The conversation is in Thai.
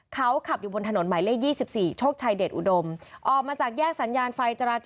เขาขับอยู่บนถนนหมายเลข๒๔โชคชัยเดชอุดมออกมาจากแยกสัญญาณไฟจราจร